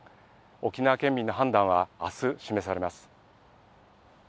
沖縄県民の判断は、あす示されます。